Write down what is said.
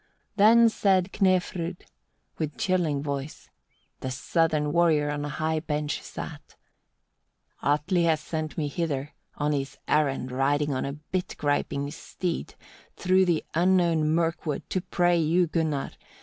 Then said Knefrud, with chilling voice: the southern warrior on a high bench sat 3. "Atli has sent me hither on his errand riding on a bit griping steed, through the unknown Murkwood, to pray you, Gunnar!